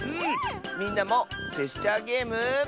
みんなもジェスチャーゲーム。